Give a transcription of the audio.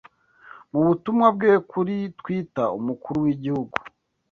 Mu butumwa bwe kuri Twita umukuru w’Igihugu